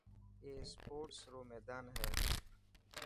اي اسپورٽس رو ميدان هي.